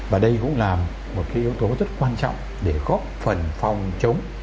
và đây cũng là một yếu tố rất quan trọng để góp phần phòng chống